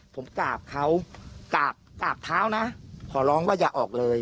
ผมกราบเขากราบกราบเท้านะขอร้องว่าอย่าออกเลย